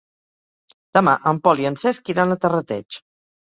Demà en Pol i en Cesc iran a Terrateig.